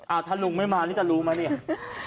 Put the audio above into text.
อ่าวถ้าลุงไม่มานี่จะรู้มั้ยฟะ